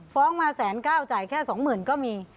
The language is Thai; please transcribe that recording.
ฟ้องมา๑๙๐๐จ่ายแค่๒๐๐๐ก็มี